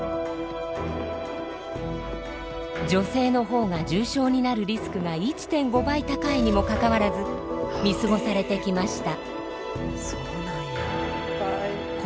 女性の方が重傷になるリスクが１．５倍高いにもかかわらず見過ごされてきました。